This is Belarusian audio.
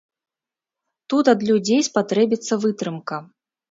Тут ад людзей спатрэбіцца вытрымка.